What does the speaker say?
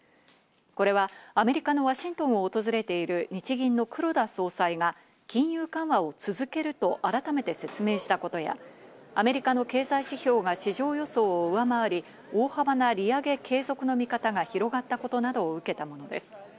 これはアメリカのワシントンを訪れている日銀の黒田総裁が金融緩和を続けると改めて説明したことや、アメリカの経済指標が市場予想を上回り、大幅な利上げ継続の見方が広がったことなどを受けたものです。